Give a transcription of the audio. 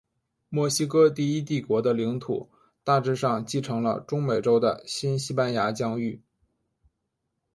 墨西哥第一帝国的领土大致上继承了中美洲的新西班牙疆域。